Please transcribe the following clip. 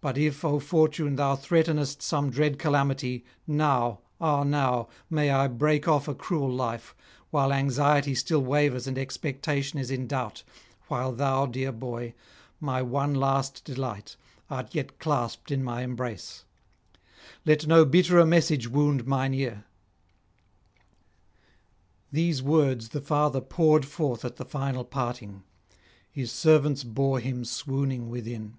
But if, O Fortune, thou threatenest some dread calamity, now, ah now, may I break off a cruel life, while anxiety still wavers and expectation is in doubt, while thou, dear boy, my one last delight, art yet clasped in my embrace; let no bitterer message wound mine ear.' These words the father poured forth at the final parting; his servants bore him swooning within.